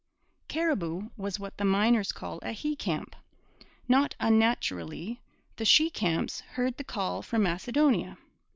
Cariboo was what the miners call a 'he camp.' Not unnaturally, the 'she camps' heard 'the call from Macedonia.'